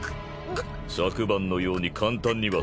昨晩のように簡単には解けん。